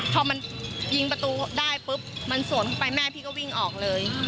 พอมันยิงประตูได้ปุ๊บมันสวนเข้าไปแม่พี่ก็วิ่งออกเลย